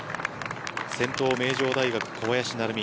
先頭名城大学、小林成美。